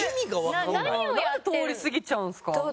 なんで通り過ぎちゃうんですか？